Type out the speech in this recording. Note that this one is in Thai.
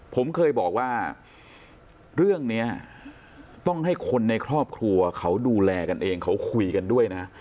ผมเคยบอกว่าเรื่องนี้ต้องให้คนในครอบครัวเขาดูแลกันเองเขาคุยกันด้วยนะ